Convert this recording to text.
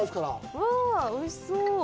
うわ、おいしそう。